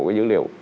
cái dữ liệu